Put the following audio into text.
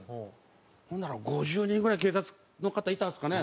ほんなら５０人ぐらい警察の方いたんですかね。